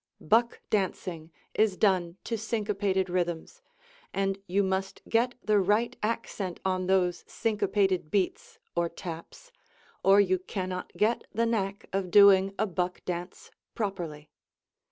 Buck dancing is done to syncopated rhythms, and you must get the right accent on those syncopated beats or taps or you cannot get the knack of doing a buck dance properly.